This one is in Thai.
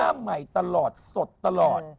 หน้าใหม่ตลอดสดตลอด